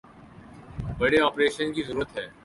بڑے آپریشن کی ضرورت ہے